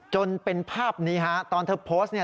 จนเป็นภาพนี้ฮะตอนเธอโพสต์เนี่ย